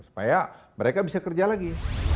supaya mereka bisa kerja lagi